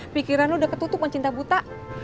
pikiran lo udah ketutup sama cinta buta